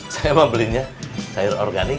saya mau belinya sayur organik